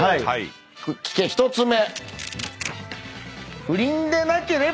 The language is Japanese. １つ目。